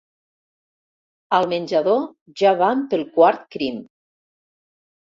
Al menjador ja van pel quart crim.